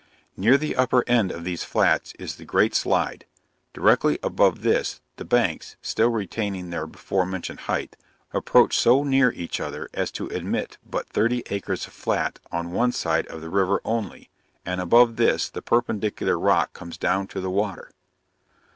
Near the upper end of these flats is the Great Slide. Directly above this, the banks (still retaining their before mentioned height) approach so near each other as to admit of but thirty acres of flat on one side of the river only, and above this the perpendicular rock comes down to the water.